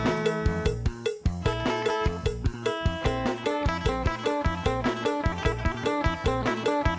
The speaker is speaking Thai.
สนุนโดยอีซุสเอกสิทธิ์แห่งความสุข